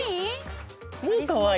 かわいい！